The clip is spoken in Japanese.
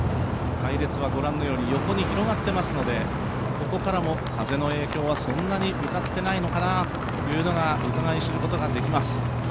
隊列は横に広がってますので、ここからも風の影響はそんなに受けていないのかなということがうかがい知ることができます。